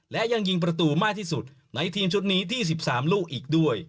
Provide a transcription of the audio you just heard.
และยังยิงประตูมากที่สุดในทีมชุดนี้ที่๑๓ลูกอีกด้วย